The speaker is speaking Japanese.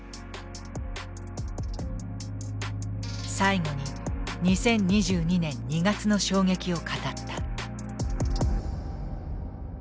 最後に２０２２年２月の衝撃を語った。